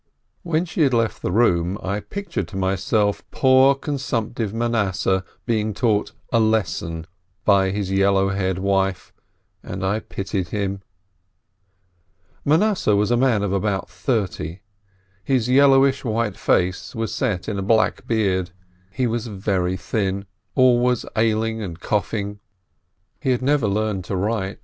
When she had left the room, I pictured to myself poor consumptive Manasseh being taught a "lesson" by his yellow haired wife, and I pitied him. Manasseh was a man of about thirty. His yellowish white face was set in a black beard; he was very thin, always ailing and coughing, had never learnt to write, 368 S.